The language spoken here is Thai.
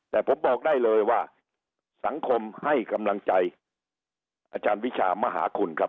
แต่ผมบอกได้เลยว่าสังคมให้กำลังใจอาจารย์วิชามหาคุณครับ